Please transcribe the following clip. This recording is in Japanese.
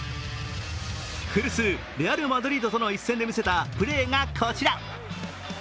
古巣レアル・マドリードとの一戦で見せたプレーがこちら。